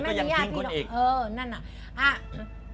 ก็ยังทิ้งคนอีกใช่ไม่มีอย่างพี่รู้เออนั่นอ่ะ